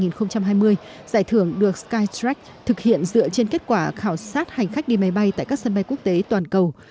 giải thưởng được skytrack thực hiện dựa trên kết quả khảo sát hành khách đi máy bay tại các sân bay quốc tế toàn cầu